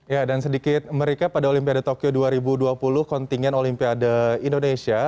ya dan sedikit merica pada olimpiade tokyo dua ribu dua puluh kontingen olimpiade indonesia